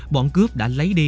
bọn cướp đã lấy đi